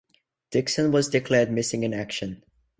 Dickson was declared missing in action.